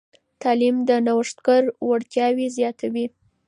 تعلیم د نوښتګرو وړتیاوې زیاتوي.